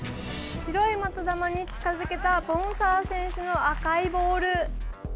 白い的球に近づけたボンサー選手の赤いボール。